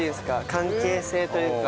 関係性というか。